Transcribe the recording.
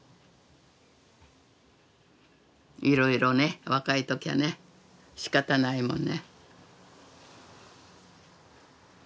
いろいろね若い時はねしかたないもんね。